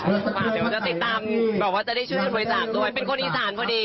เดี๋ยวจะติดตามบอกว่าจะได้ช่วยกันไว้จากตัวเป็นคนอีสานพอดี